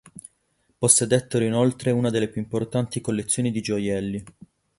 Possedettero inoltre una delle più importanti collezioni di gioielli.